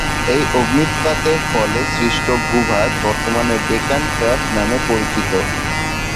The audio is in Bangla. এই অগ্ন্যুৎপাতের ফলে সৃষ্ট ভূভাগ বর্তমানে ডেকান ট্র্যাপ নামে পরিচিত।